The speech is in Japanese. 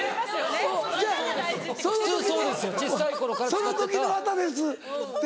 「その時の綿です」で。